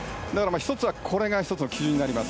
これが１つの基準になります。